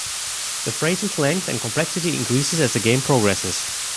The phrases' length and complexity increase as the game progresses.